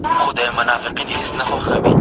ګوندي خلاص یې کړي د توري غوا له شره